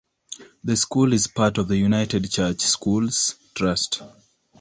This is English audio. The school is part of the United Church Schools Trust.